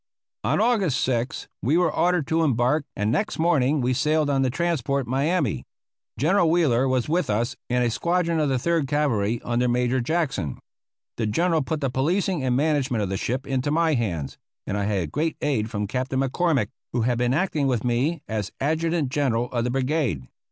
On August 6th we were ordered to embark, and next morning we sailed on the transport Miami. General Wheeler was with us and a squadron of the Third Cavalry under Major Jackson. The General put the policing and management of the ship into my hands, and I had great aid from Captain McCormick, who had been acting with me as adjutant general of the brigade.